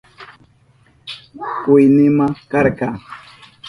Kuynima karka.